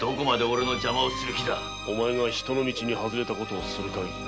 お前が人の道に外れた事をする限りな。